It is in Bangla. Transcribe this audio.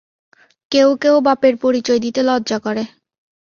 কেউ কেউ বাপের পরিচয় দিতে লজ্জা করে।